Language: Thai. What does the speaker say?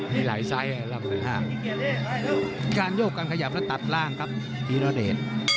ที่การโยบกันขยับและตัดล่างครับทีระด่ช